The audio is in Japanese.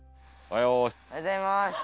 おはようございます。